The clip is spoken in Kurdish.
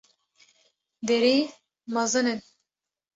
Derî mezin in